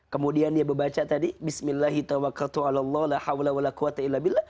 kemudian dia berbaca tadi